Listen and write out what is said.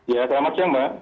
ya selamat siang mbak